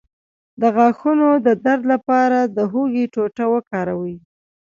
د غاښونو د درد لپاره د هوږې ټوټه وکاروئ